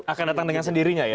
akan datang dengan sendirinya ya